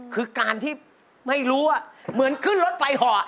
คือการที่ไม่รู้ว่าเหมือนขึ้นรถไฟห่อ